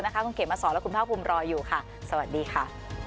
ช่องเก็บมาสอนและคุณท่าคมรออยู่ค่ะสวัสดีค่ะ